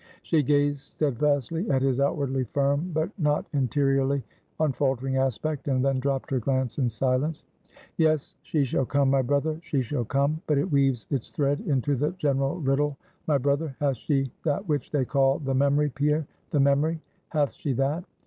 She gazed steadfastly at his outwardly firm, but not interiorly unfaltering aspect; and then dropped her glance in silence. "Yes, she shall come, my brother; she shall come. But it weaves its thread into the general riddle, my brother. Hath she that which they call the memory, Pierre; the memory? Hath she that?"